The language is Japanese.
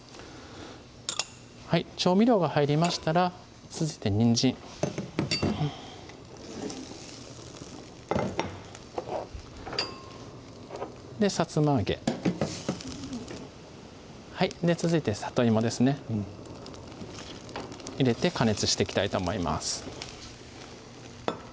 調味料が入りましたら続いてにんじんさつま揚げ続いてさといもですねうん入れて加熱していきたいと思います